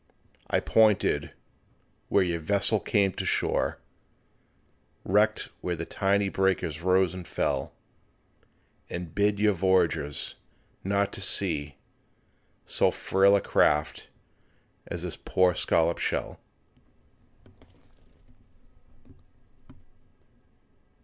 I pointed, where your vessel came to shore, Wrecked where the tiny breakers rose and fell; And bid your voyagers not put to sea So fail a craft as this poor scallop shell.